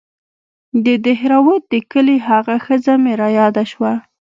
د دهروات د کلي هغه ښځه مې راياده سوه.